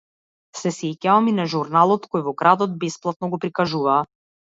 Се сеќавам и на журналот кој во градот бесплатно го прикажуваа.